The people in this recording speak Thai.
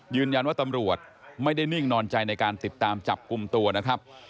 ยืนยันว่าตำรวจไม่ได้นิ่งนอนใจในการติดตามจับกลุ่มตัวนะครับ